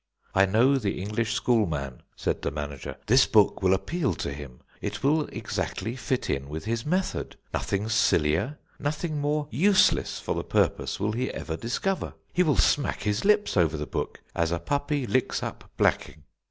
"I know the English schoolman," said the manager; "this book will appeal to him. It will exactly fit in with his method. Nothing sillier, nothing more useless for the purpose will he ever discover. He will smack his lips over the book, as a puppy licks up blacking."